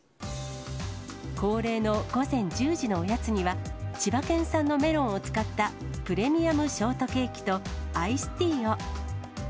恒例の午前１０時のおやつには、千葉県産のメロンを使ったプレミアムショートケーキと、アイスティーを。